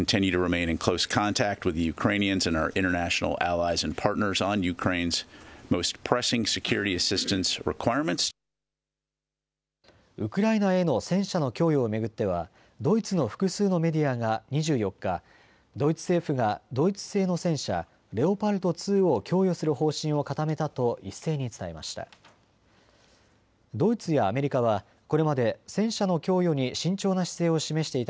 ウクライナへの戦車の供与を巡ってはドイツの複数のメディアが２４日、ドイツ政府がドイツ製の戦車、レオパルト２を供与する方針を固めたと一斉に伝えました。